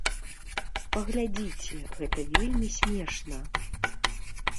Паглядзіце, гэта вельмі смешна.